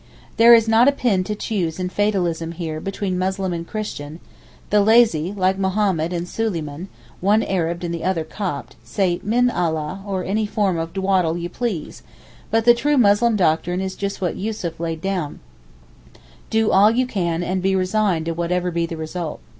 There is not a pin to choose in fatalism here between Muslim and Christian, the lazy, like Mohammed and Suleyman (one Arab the other Copt), say Min Allah or any form of dawdle you please; but the true Muslim doctrine is just what Yussuf laid down—'do all you can and be resigned to whatever be the result.